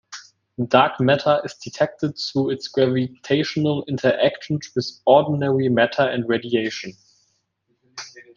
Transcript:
Dark matter is detected through its gravitational interactions with ordinary matter and radiation.